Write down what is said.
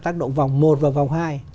tác động vòng một và vòng hai